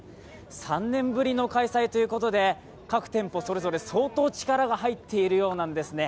３年ぶりの開催ということで各店舗それぞれ相当力が入っているようなんですね。